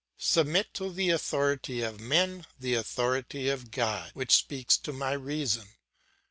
Submit to the authority of men the authority of God which speaks to my reason.